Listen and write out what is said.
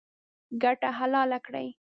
ګټه حلاله کړئ